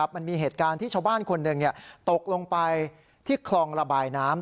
มันมีเหตุการณ์ที่ชาวบ้านคนหนึ่งตกลงไปที่คลองระบายน้ำ